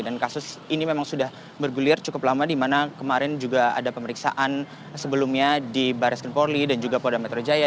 dan kasus ini memang sudah bergulir cukup lama di mana kemarin juga ada pemeriksaan sebelumnya di baris krimporli dan juga polda metro jaya